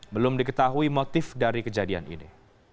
belum diketahui motif dari kejadian ini